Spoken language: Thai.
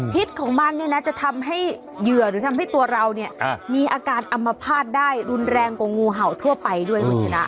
ของมันเนี่ยนะจะทำให้เหยื่อหรือทำให้ตัวเราเนี่ยมีอาการอัมพาตได้รุนแรงกว่างูเห่าทั่วไปด้วยคุณชนะ